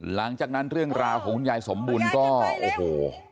หลังจากนั้นเรื่องราวของคุณยายสมบุญก็โอ้โห